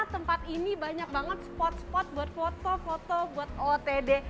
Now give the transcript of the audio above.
tempat ini banyak banget spot spot buat foto foto buat otd